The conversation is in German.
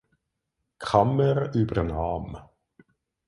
Kammer übernahm.